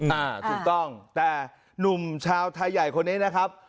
อ่าถูกต้องแต่หนุ่มชาวไทยใหญ่คนนี้นะครับ